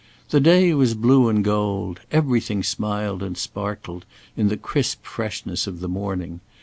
The day was blue and gold; everything smiled and sparkled in the crisp freshness of the morning.